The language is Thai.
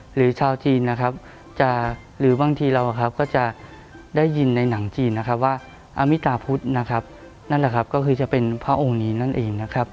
หรือชาวจีนหรือบางทีเราก็จะได้ยินในหนังจีนว่าอมิตราพุทธนั่นแหละก็คือจะเป็นพระองค์นี้นั่นเอง